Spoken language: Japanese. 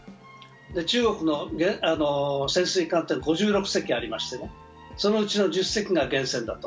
中国の潜水艦は５６隻ありましてね、そのうちの１０隻が原潜だと。